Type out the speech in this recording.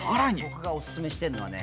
僕がオススメしてるのはね